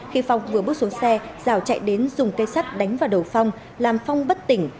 khi phong vừa bước xuống xe rào chạy đến dùng cây sắt đánh vào đầu phong làm phong bất tỉnh